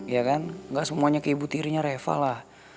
ya kan gak semuanya ke ibu tirinya reva lah